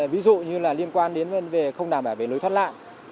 ví dụ như là liên quan đến không đảm bảo về lối thoát lạng